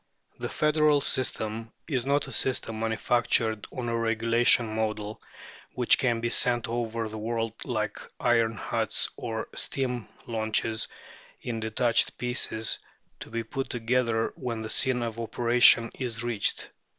The federal system is not a system manufactured on a regulation model, which can be sent over the world like iron huts or steam launches, in detached pieces, to be put together when the scene of operation is reached.